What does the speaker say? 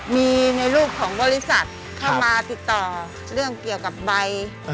มีในรูปของบริษัทเข้ามาติดต่อเรื่องเกี่ยวกับใบ